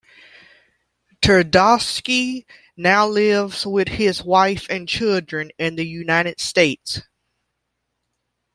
Tverdovsky now lives with his wife and children in the United States.